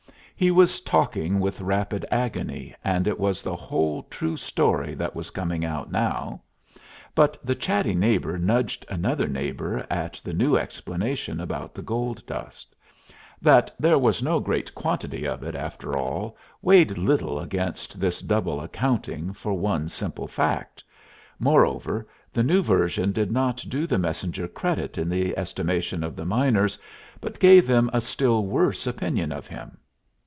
He was talking with rapid agony, and it was the whole true story that was coming out now. But the chatty neighbor nudged another neighbor at the new explanation about the gold dust. That there was no great quantity of it, after all, weighed little against this double accounting for one simple fact; moreover, the new version did not do the messenger credit in the estimation of the miners, but gave them a still worse opinion of him.